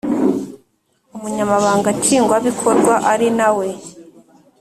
Umunyamabanga Nshingwabikorwa ari nawe